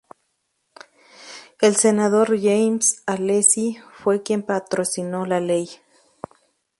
El senador James Alesi fue quien patrocinó la ley.